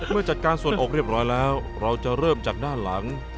เมื่อจัดการส่วนอกเรียบร้อยแล้วเราจะเริ่มจากด้านหลัง